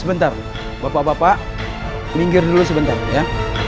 sebentar bapak bapak minggir dulu sebentar ya